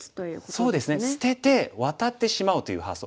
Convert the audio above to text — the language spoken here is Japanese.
そうですね捨ててワタってしまおうという発想。